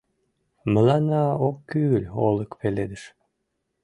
Мыланна ок кӱл олык пеледыш